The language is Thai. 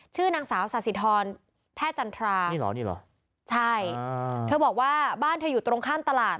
ชื่อนางสาวสาธิธรแพทย์จันทรานี่เหรอนี่เหรอใช่เธอบอกว่าบ้านเธออยู่ตรงข้ามตลาด